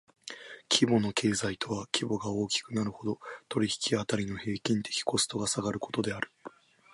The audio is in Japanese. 規模の経済とは規模が大きくなるほど、取引辺りの平均的コストが下がることである。